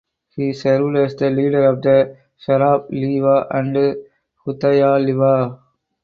He served as the leader of the Sharaf Liwa and Hudaydah Liwa.